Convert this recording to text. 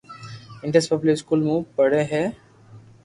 انڌس پبلڪ اسڪول مون پڙي ھي